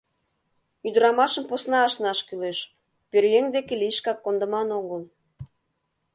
Ӱдырамашым посна ашнаш кӱлеш, пӧръеҥ деке лишкак кондыман огыл.